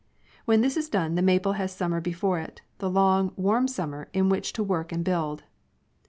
When this is done the maple has sum mer before it, the long, warm summer in which to work and build.